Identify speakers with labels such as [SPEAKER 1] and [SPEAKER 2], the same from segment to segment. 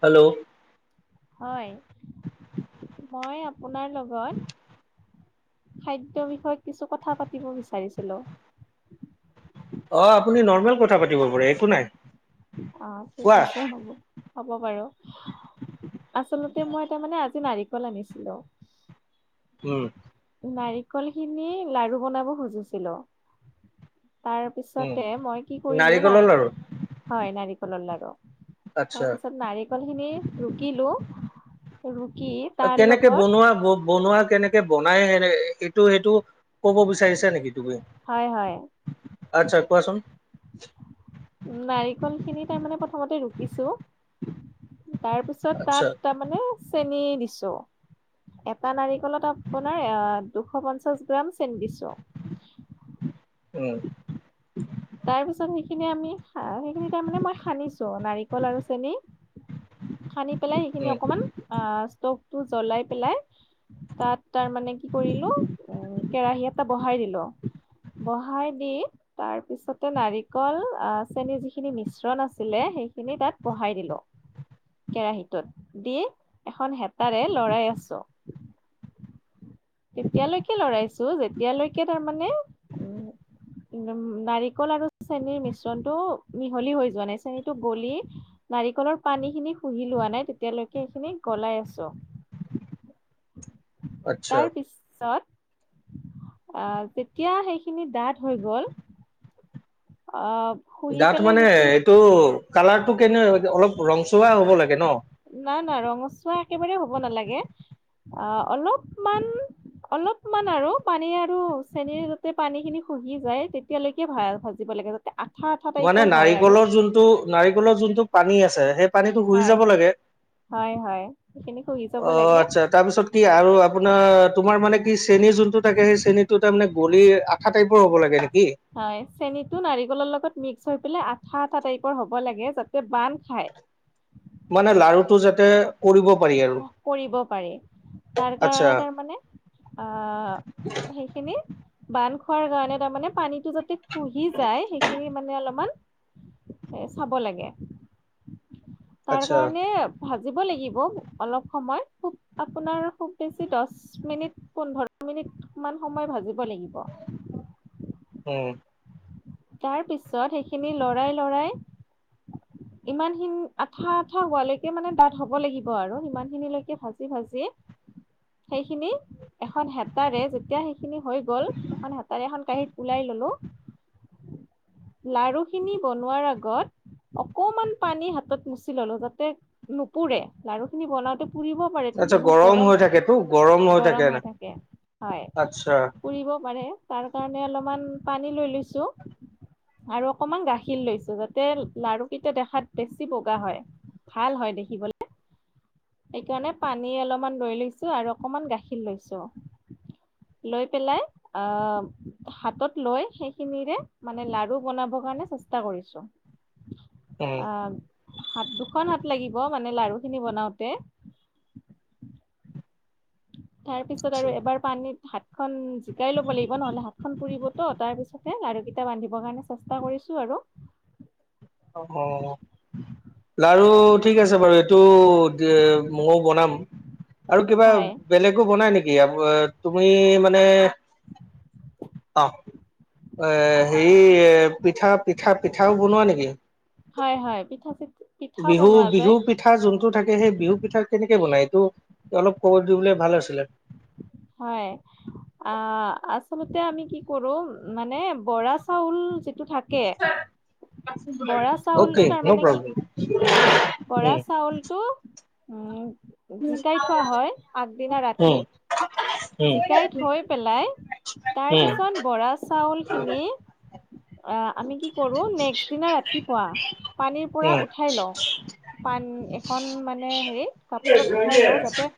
[SPEAKER 1] Hello
[SPEAKER 2] হয় । মই আপোনাৰ লগত খাদ্যৰ বিষয়ে কিছু কথা পাতিব বিচাৰিছিলোঁ ।
[SPEAKER 1] অ', আপুনি নৰ্মেল কথা পাতিব পাৰে একো নাই ।
[SPEAKER 2] অ', ঠিক আছে হ'ব হব বাৰু আচলতে তেয়া মই এটা মানে আজি নাৰিকল আনিছিলোঁ ।
[SPEAKER 1] উম,
[SPEAKER 2] নাৰিকল খিনি লাৰু বনাব খুজিছিলোঁ তাৰ
[SPEAKER 1] উম
[SPEAKER 2] পিছতে মই কি কৰিলোঁ
[SPEAKER 1] নাৰিকলৰ
[SPEAKER 2] নাৰী,
[SPEAKER 1] লাৰু
[SPEAKER 2] হয় নাৰিকলৰ লাৰু তাৰ
[SPEAKER 1] আচ্ছা
[SPEAKER 2] পিছত নাৰিকল খিনি ৰুকিলো ৰু
[SPEAKER 1] কেনেকে বনোৱা বনোৱা কেনেকে বনাই সেনে এইটো সেইটো ক'ব বিচাৰিছে নেকি? তুমি
[SPEAKER 2] হয় হয়,
[SPEAKER 1] আচ্ছা কোৱাচোন ।
[SPEAKER 2] নাৰিকল খিনি তাৰমানে প্ৰথমতে ৰুকিছোঁ তাৰ পিছত
[SPEAKER 1] আচ্ছা
[SPEAKER 2] তাত তাৰমানে চেনী দিছোঁ । এটা নাৰিকলত আপোনাৰ আ, দোষ পঞ্চাছ গ্ৰাম চেনি দিছোঁ । [inaudible]
[SPEAKER 1] উম,
[SPEAKER 2] তাৰ পিছত সেইখিনি আমি সেইখিনি তাৰমানে মই শানিছোঁ নাৰিকল আৰু চেনি খানি পেলাই সেইখিনি
[SPEAKER 1] উম
[SPEAKER 2] অকনমান অ, ষ্টভটো জ্বলাই পেলাই তাত তাৰ মানে কি কৰিলোঁ উম, কেৰাহি এটা বহাই দিলো । বহাই দি তাৰ পিছতে নাৰিকল আ, চেনীৰ যিখিনি মিশ্ৰণ আছিলে সেইখিনি তাত বহাই দিলো । কেৰাহীটোত দি এখন হেতাৰে লৰাই আছোঁ । তেতিয়ালৈকে লৰাইছোঁ যেতিয়ালৈকে তাৰমানে উম, উম, নাৰিকল আৰু চেনীৰ মিশ্ৰণতটো মিহলি হৈ যোৱা নাই চেনীটো গলি নাৰিকলৰ পানী খিনি শুহি লোৱা নাই তেতিয়ালৈকে সেইখিনি গলাই আছো ।
[SPEAKER 1] আচ্ছা
[SPEAKER 2] তাৰপিছত আহ তেতিয়া সেইখিনি ডাঠ হৈ গল । অ,
[SPEAKER 1] ডাঠ মানে এইটো কালাৰটো কেনে অলপ ৰংচোৱাা হ'ব লাগে ন?
[SPEAKER 2] নাই না ৰঙচুৱা একেবাৰে হ'ব নালাগে অ অলপমান অলপমান আৰু পানী আৰু চেন যতে পানী খিনি শুহি যায় তেতিয়ালৈকে ভ ভাজিব লাগে আঠা আঠা
[SPEAKER 1] মানে
[SPEAKER 2] টাইপৰ হয় আৰু
[SPEAKER 1] নাৰিকলৰ যোনটো নাৰিকলৰ যোনটো পানী আছে সেই পানীটো শুহি
[SPEAKER 2] হয়
[SPEAKER 1] যাব লাগে?
[SPEAKER 2] হয় হয় সেইখিনি শুহি যাব
[SPEAKER 1] অ
[SPEAKER 2] লাগে
[SPEAKER 1] আচ্ছা তাৰপিছত কি আৰু আপোনাৰ তোমাৰ মানে কি চেনী যোনটো থাকে সেই চেনীটো তাৰে গলি আঠ টাইপৰ হ'ব লাগে নেকি?
[SPEAKER 2] হয় চেনীতটো নাৰিকলৰ লগত মিক্স হৈ পাই আঠা আঠা টাইপৰ হ'ব লাগে যাতে বান খায় ।
[SPEAKER 1] মানে লাৰুটো যাতে কৰিব পাৰি আৰু
[SPEAKER 2] কৰিব পাৰি । তাৰ
[SPEAKER 1] আচ্ছা
[SPEAKER 2] কাৰণে তাৰমানে আহ সেইখিনি বান্ধ খোৱাৰ কাৰণে তাৰমানে পানীতটো যাতে খুহি যায় সেইখিনি মানে অলপমান চাব লাগে । তাৰ
[SPEAKER 1] আচ্ছা
[SPEAKER 2] কাৰণে ভ দিব লাগিব অলপ সময় খুব আপোনাৰ খুব বেছি দহ মিনিট পোন্ধৰ মিনিট সিমান সময় ভাজিব লাগিব ।
[SPEAKER 1] উম,
[SPEAKER 2] তাৰ পিছত সেইখিনি লৰাই লৰাই ইমান খিনি আঠা আঠা হোৱালৈকে মানে ডাঠ হব লাগিব আৰু ইমান খিনিলৈকে ভাজি ভাজি সেইখিনি এখন হেতাৰে যেতিয়া সেইখিনি হৈ গল এখন হেতাৰে এখন কাঁহীত ওলাই ললো লাৰু খিনি বনোৱাৰ আগত অকমান পানী হাতত মুচি ললো যাতে নুপুৰে লাাৰু খিনি বনাওতে ফুৰিব পাৰেতো
[SPEAKER 1] আচ্ছা
[SPEAKER 2] বহুত গৰম
[SPEAKER 1] হৈ
[SPEAKER 2] থাকে
[SPEAKER 1] থাকেতো গৰম
[SPEAKER 2] গৰম
[SPEAKER 1] না।
[SPEAKER 2] হৈ থাকে হয় ।
[SPEAKER 1] আচ্ছা
[SPEAKER 2] পুৰিব পাৰে তাৰ কাৰণে অলপমান পানী লৈ লৈছোঁ । আৰু অকমান গাখীৰ লৈছো যাতে লাৰুকেইটা দেখাত বেছি বগা হয় । ভাল হয় দেখিবলে সেইকাৰণে পানী অলপমান দৈ লৈছো আৰু অকমান গাখীৰ লৈছো লৈ পেলাই আহ হাতত লৈ সেই খিনিৰে মানে লাডাৰু বনাবৰ কাৰণে চেষ্টা কৰিছো
[SPEAKER 1] উম
[SPEAKER 2] অ হাত দুখন হাত লাগিব মানে লাৰু খিনি বনাওঁতে তাৰ পিছত
[SPEAKER 1] আচ্ছা
[SPEAKER 2] আৰু এবাৰ পানীত হ খন জিকাই লব লাগিব নহলে হাতখনন পুৰিবতো তাৰ পিছহে লাৰু কেইটা বানধিবৰ কাৰণে চেষ্টা কৰিছো আৰু আৰু
[SPEAKER 1] আহ লাৰু ঠিক আছে বাৰু এইটো ময়ো বনাম আৰু কিবা
[SPEAKER 2] হয়
[SPEAKER 1] বেলেগো বনাই নেকি তুমি মানে অ এ হেই পিঠা পিঠা পিঠাও বনোৱা নেকি
[SPEAKER 2] হয় হয় প
[SPEAKER 1] বিহু বিহু পিঠা যোনটো থাকে সেই বিহু পিঠা কেনেকে বনাই টো অলপ খবৰ দি বলে ভাল আছিলে।
[SPEAKER 2] হয়। আ আচলতে আমি কি কৰো মানে বৰা চাউল যিটো থাকে কে
[SPEAKER 1] অকে ন'
[SPEAKER 2] কি
[SPEAKER 1] প্ৰব্লেম
[SPEAKER 2] বৰা
[SPEAKER 1] উম,
[SPEAKER 2] চাউলটো উম জিকাই থোৱা হয় আগদিনা ৰাতি
[SPEAKER 1] উম, উম।
[SPEAKER 2] জিকাই থৈ পেলাই তাৰ
[SPEAKER 1] উম,
[SPEAKER 2] পিছত বৰা চাউল খিনি অ, আমি কি কৰো নেক্সট দিনা ৰাতিপুৱা পানীৰ পৰা
[SPEAKER 1] উম,
[SPEAKER 2] উঠাই লওঁ পান এখন মানে হেৰি কাপোৰত উঠাই লওঁ যাতে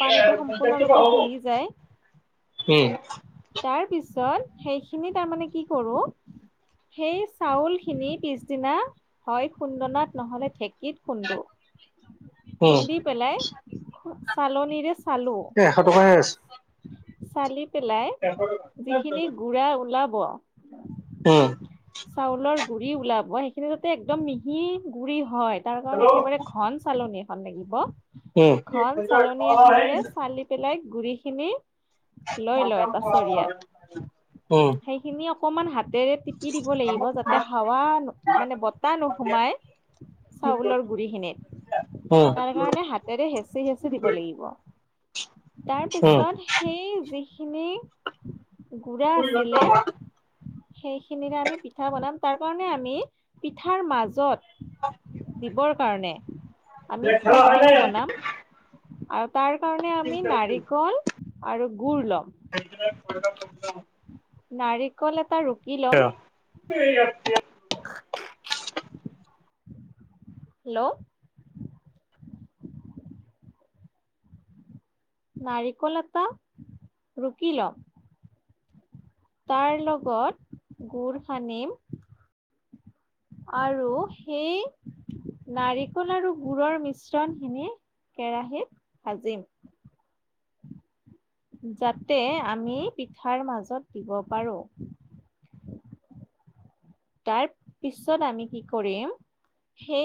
[SPEAKER 2] পানীটো সম্পূৰ্ণৰূপে শুহি যায়
[SPEAKER 1] উম।
[SPEAKER 2] তাৰ পিছত সেইখিনি তাৰমানে কি কৰো সেই চাউল খিনি পিছদিনা হয় খুন্দনাত নহলে থে গীত খুন্দো
[SPEAKER 1] উম
[SPEAKER 2] খুন্দি পেলাই চালনিৰে
[SPEAKER 1] এ এশ টকাইে আছে।
[SPEAKER 2] চালি পেলাই যিখিনি গু়ড়া ওলাব
[SPEAKER 1] উম।
[SPEAKER 2] চাউলৰ গুৰি ওলাব সেইখিনি যাতে একদম মিহি গুৰি হয়। তাৰ কাৰণে একেবাৰে ঘন চালনি এখন লাগিব।
[SPEAKER 1] উম,
[SPEAKER 2] ঘন চালনী এখনেৰে চালি পেলাই গুৰি খিনি। লৈ ল এটা চৰিয়াত
[SPEAKER 1] উম,
[SPEAKER 2] সেইখিনি অকমান হাতেৰে টিপি দিব লাগিব যাতে হাৱা মানে বতাহ নোসোমাই। চাউলৰ
[SPEAKER 1] উম,
[SPEAKER 2] গুৰিখিনিত। তাৰ কাৰণে হাতেৰে হেঁচি হেঁচি দিব লাগিব।
[SPEAKER 1] উম
[SPEAKER 2] তাৰপিছত সেই যিখিনি গু়ড়া আছিলে সেইখিনিৰে আমি পিঠা বনাম তাৰ কাৰণে আমি পিঠাৰ মাজত দিবৰ কাৰণে আমি পুৰ খিনি বনাম আৰু তাৰ কাৰণে আমি নাৰিকল আৰু গুৰ ল'ম
[SPEAKER 1] [inaudible]
[SPEAKER 2] নাৰিকল এটা ৰুকি ল'ম
[SPEAKER 1] অ'। [inaudible]
[SPEAKER 2] [inaudible] হেল্ল' নাৰিকল এটা ৰুকি লম তাৰ লগত গুৰ খানিম আৰু সেই নাৰিকল আৰু গুড়ৰ মিশ্ৰণখিনি কেৰাহীত ভাজিম। যাতে, আমি পিঠাৰ মাজত দিব পাৰোঁ। তাৰ পিছত আমি কি কৰিম, সেই